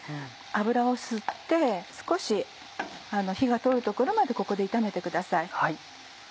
油を吸って少し火が通るところまでここで炒めてください。